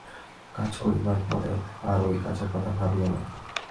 কাজ করিবার পরে আর ঐ কাজের কথা ভাবিও না।